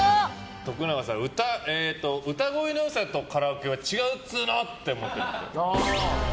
徳永さん、歌声の良さとカラオケは違うっつーの！って思ってるっぽい。